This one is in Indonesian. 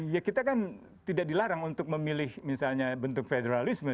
ya kita kan tidak dilarang untuk memilih misalnya bentuk federalisme